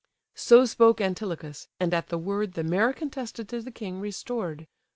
So spoke Antilochus; and at the word The mare contested to the king restored.